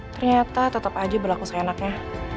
ternyata tetap aja berlaku seenaknya